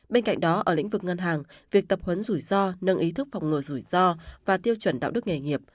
bên cạnh đó ở lĩnh vực ngân hàng việc tập huấn rủi ro nâng ý thức phòng ngừa rủi ro và tiêu chuẩn đạo đức nghề nghiệp